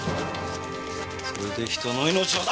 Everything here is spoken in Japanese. それで人の命を！